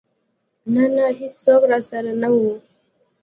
نه نه ايڅوک راسره نه و.